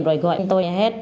rồi gọi tôi hết